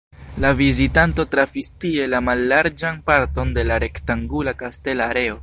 La vizitanto trafis tie la mallarĝan parton de la rektangula kastela areo.